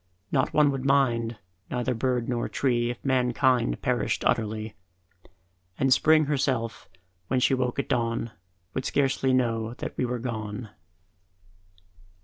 Not one would mind, neither bird nor tree If mankind perished utterly; And Spring herself, when she woke at dawn, Would scarcely know that we were gone.